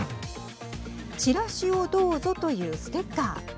チラシをどうぞというステッカー。